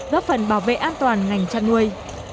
góp phần bảo vệ an toàn ngành chăn nuôi